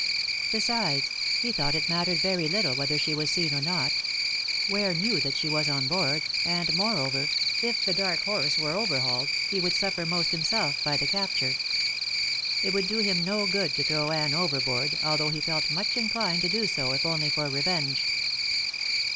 Besides, he thought it mattered very little whether she was seen or not. Ware knew that she was on board, and, moreover, if The Dark Horse were overhauled, he would suffer most himself by the capture. It would do him no good to throw Anne overboard, although he felt much inclined to do so if only for revenge.